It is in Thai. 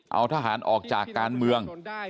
เอาทหารออกจากการเมือง